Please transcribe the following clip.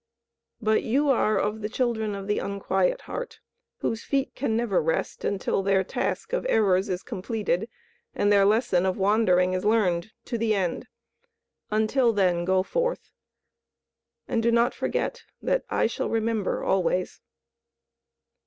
But you are of the Children of the Unquiet Heart, whose feet can never rest until their task of errors is completed and their lesson of wandering is learned to the end. Until then go forth, and do not forget that I shall remember always."